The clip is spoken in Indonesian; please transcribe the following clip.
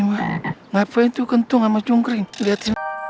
eh ngapain tuh kentung ama jungkring lihat